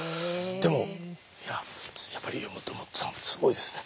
でもやっぱり頼朝さんすごいですね。